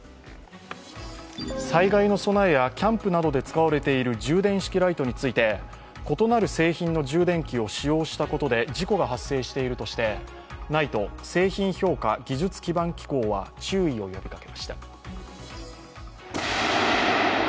災害の備えやキャンプなどで使われている充電式ライトについて、異なる製品の充電器を使用したことで事故が発生しているとしてＮＩＴＥ＝製品評価技術基盤機構は注意を呼びかけました。